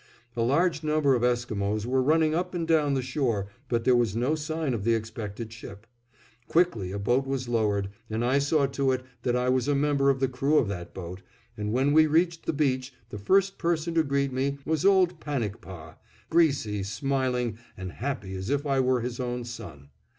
A large number of Esquimos were running up and down the shore, but there was no sign of the expected ship. Quickly a boat was lowered, and I saw to it that I was a member of the crew of that boat, and when we reached the beach the first person to greet me was old Panikpah, greasy, smiling, and happy as if I were his own son.